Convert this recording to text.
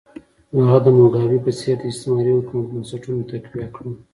هغه د موګابي په څېر د استعماري حکومت بنسټونه تقویه کړل.